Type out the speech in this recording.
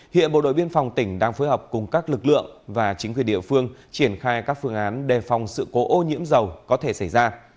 hiện bộ đội biên phòng tỉnh đang phối hợp cùng các lực lượng và chính quyền địa phương triển khai các phương án đề phòng sự cố ô nhiễm dầu có thể xảy ra